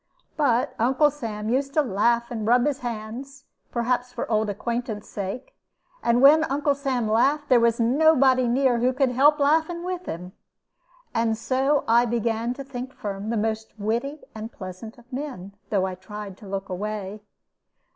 But Uncle Sam used to laugh and rub his hands, perhaps for old acquaintance' sake; and when Uncle Sam laughed, there was nobody near who could help laughing with him. And so I began to think Firm the most witty and pleasant of men, though I tried to look away.